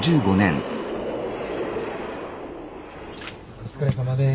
お疲れさまです。